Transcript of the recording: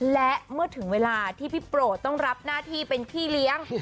และเมื่อถึงเวลาที่พี่โปรดต้องรับหน้าที่เป็นพี่เลี้ยง